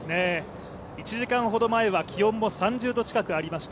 １時間ほど前は気温も３０度近くありました。